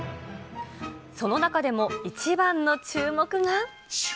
その中でも一番の注目が。